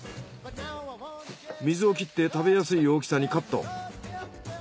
水を切って食べやすい大きさにカット。